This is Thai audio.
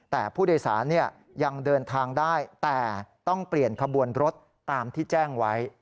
แต่ผู้โดยสารยังเดินทางได้แต่ต้องเปลี่ยนขบวนรถตามที่แจ้งไว้